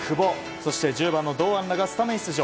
そして１０番の堂安らがスタメン出場。